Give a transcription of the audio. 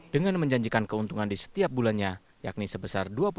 dengan menjanjikan keuntungan di setiap bulannya